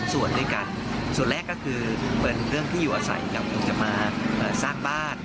บรรยาการในการสูญชนส่วนแรกก็คือเป็นเรื่องที่อยู่อาศัยกับคงจะมาสร้างบ้าน